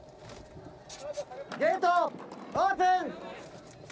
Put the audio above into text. ゲートオープン！